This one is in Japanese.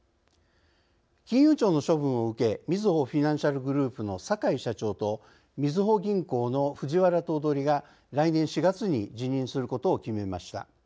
金融庁の処分を受けみずほフィナンシャルグループの坂井社長とみずほ銀行の藤原頭取が来年４月に辞任することを決めました。